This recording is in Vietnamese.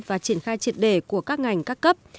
và triển khai triệt đề của các ngành các cấp